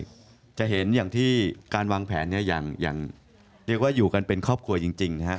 วางแผนแหลงผมจะเห็นอย่างที่การวางแผนอยู่กันเป็นครอบครัวจริง